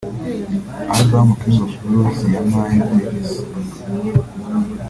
Album King Of Blue ya Miles Davis